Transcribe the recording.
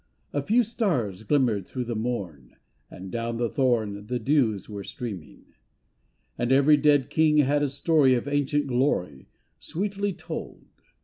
A few stars glimmered through the morn, And down the thorn the dews were streaming. And every dead king had a story Of ancient glory, sweetly told.